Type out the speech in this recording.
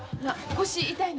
腰痛いの？